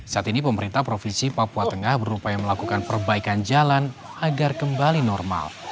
saat ini pemerintah provinsi papua tengah berupaya melakukan perbaikan jalan agar kembali normal